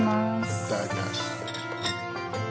いただきます。